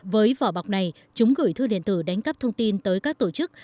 với vỏ bọc này chúng gửi thư điện tử đánh cắp thông tin tới các tổ chức